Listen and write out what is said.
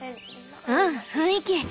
うん雰囲気。